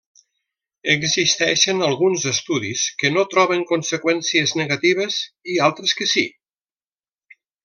Existeixen alguns estudis que no troben conseqüències negatives, i altres que sí.